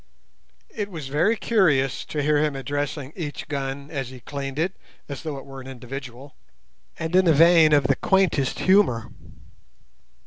It was very curious to hear him addressing each gun as he cleaned it, as though it were an individual, and in a vein of the quaintest humour.